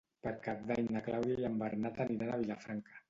Per Cap d'Any na Clàudia i en Bernat aniran a Vilafranca.